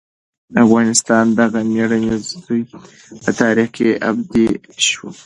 د افغانستان دغه مېړنی زوی په تاریخ کې ابدي شو.